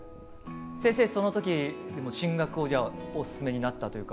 先生その時進学をじゃあお勧めになったというか。